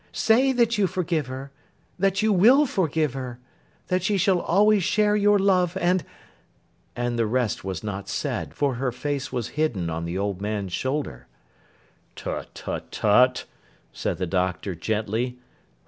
Say that you forgive her. That you will forgive her. That she shall always share your love, and—,' and the rest was not said, for her face was hidden on the old man's shoulder. 'Tut, tut, tut,' said the Doctor gently.